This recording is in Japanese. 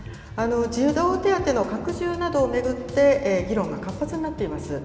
児童手当の拡充などを巡って、議論が活発になっています。